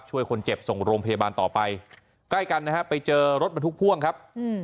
ช่วยคนเจ็บส่งโรงพยาบาลต่อไปใกล้กันนะฮะไปเจอรถบรรทุกพ่วงครับ